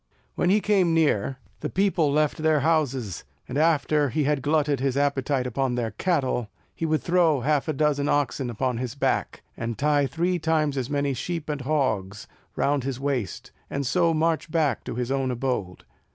When he came near, the people left their houses; and after he had glutted his appetite upon their cattle, he would throw half a dozen oxen upon his back, and tie three times as many sheep and hogs round his waist, and so march back to his own abode.